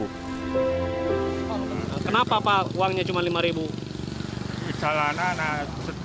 kenapa pak uangnya cuma lima